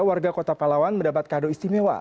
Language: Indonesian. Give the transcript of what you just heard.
warga kota palawan mendapat kado istimewa